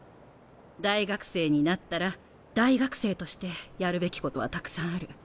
大学生になったら大学生としてやるべきことはたくさんある。